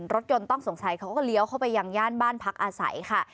รถยนต์ต้องสงสัยเขาก็เลี้ยวเข้าไปยังย่านบ้านพักอาศัยค่ะ